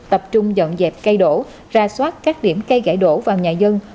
tập trung dọn dẹp cây đổ ra soát các điểm cây gãy đổ vào nhà dân